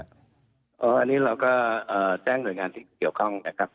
อันนี้เราก็แจ้งหน่วยงานที่เกี่ยวข้องนะครับ